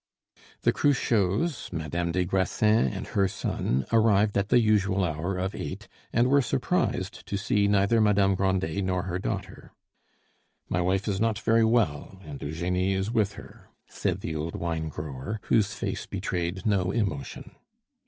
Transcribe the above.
The Cruchots, Madame des Grassins, and her son arrived at the usual hour of eight, and were surprised to see neither Madame Grandet nor her daughter. "My wife is not very well, and Eugenie is with her," said the old wine grower, whose face betrayed no emotion.